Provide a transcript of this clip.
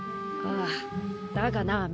ああだがな